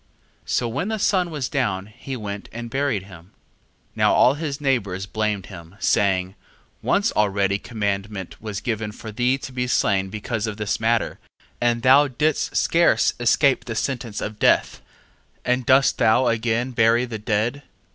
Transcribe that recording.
2:7. So when the sun was down, he went and buried him. 2:8. Now all his neighbours blamed him, saying: once already commandment was given for thee to be slain because of this matter, and thou didst scarce escape the sentence of death, and dost thou again bury the dead?